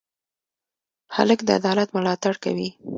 هلک د عدالت ملاتړ کوي.